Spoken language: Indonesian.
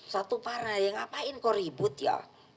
satu parna ya ngapain kok ribut ya